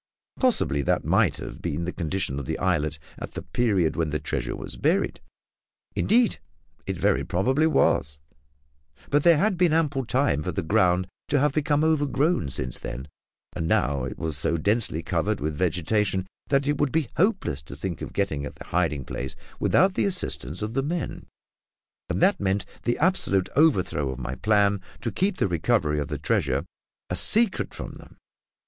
Possibly that might have been the condition of the islet at the period when the treasure was buried indeed, it very probably was but there had been ample time for the ground to have become overgrown since then; and now it was so densely covered with vegetation that it would be hopeless to think of getting at the hiding place without the assistance of the men. And that meant the absolute overthrow of my plan to keep the recovery of the treasure a secret from them!